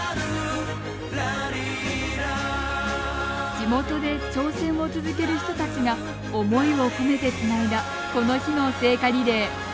地元で挑戦を続ける人たちが思いを込めてつないだこの日の聖火リレー。